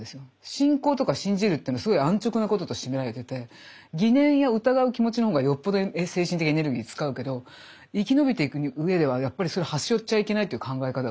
信仰とか信じるっていうのすごい安直なこととして見られてて疑念や疑う気持ちの方がよっぽど精神的エネルギー使うけど生きのびていく上ではやっぱりそれ端折っちゃいけないっていう考え方がある。